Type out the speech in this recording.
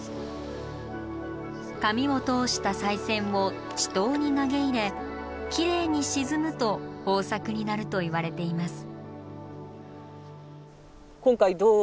紙を通した賽銭を池塘に投げ入れきれいに沈むと豊作になるといわれています。